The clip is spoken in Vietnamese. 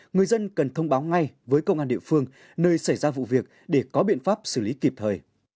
người dân cần thông báo ngay với công an địa phương nơi xảy ra vụ việc để có biện pháp xử lý kịp thời